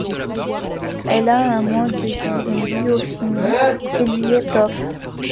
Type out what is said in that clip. Elle a un mode de vie et une biochimie qui lui est propre.